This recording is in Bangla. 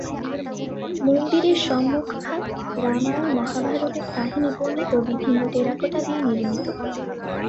মন্দিরের সম্মুখভাগ রামায়ণ-মহাভারতের কাহিনী বর্ণিত বিভিন্ন টেরাকোটা দিয়ে নির্মিত।